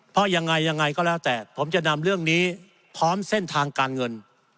เพราะยังไงยังไงก็แล้วแต่ผมจะนำเรื่องนี้พร้อมเส้นทางการเงิน